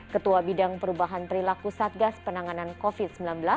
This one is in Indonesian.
ketua bidang perubahan perilaku satgas penanganan covid sembilan belas